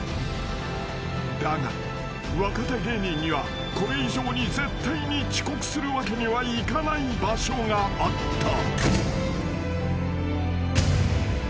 ［だが若手芸人にはこれ以上に絶対に遅刻するわけにはいかない場所があった］